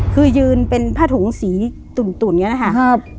คือยืนเป็นผ้าถุงสีตุ่นอย่างนี้นะคะ